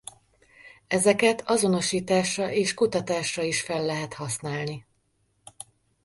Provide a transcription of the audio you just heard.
Ezeket azonosításra és kutatásra is fel lehet használni.